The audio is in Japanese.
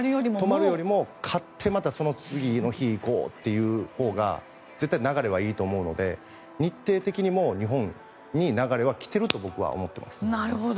止まるよりも勝って次の日に行こうというほうが絶対に流れはいいと思うので日程的にも日本に流れはきてると僕は思っています。